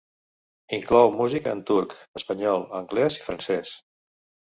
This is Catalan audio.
Inclou música en turc, espanyol, anglès i francès.